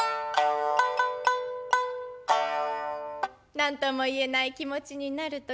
何とも言えない気持ちになる時。